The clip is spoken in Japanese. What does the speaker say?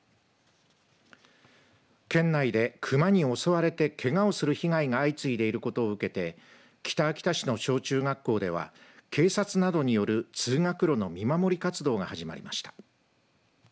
県内で熊に襲われてけがをする被害が相次いでいることを受けて北秋田市の小中学校では警察などによる通学路の見守り活動が始まりました。